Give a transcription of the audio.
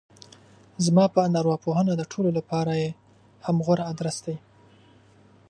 زما په اند ارواپوهنه د ټولو لپاره يې هم غوره ادرس دی.